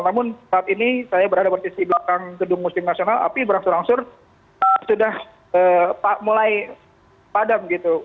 namun saat ini saya berada di belakang gedung musim nasional api berangsur angsur sudah mulai padam gitu